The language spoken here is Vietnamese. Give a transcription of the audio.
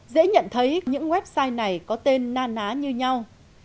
dễ nhận thấy những website này có tên na ná như nhau